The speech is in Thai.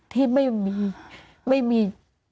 ที่ไม่มีไม่มี